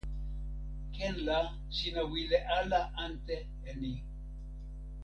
ken la sina wile ala ante e ni.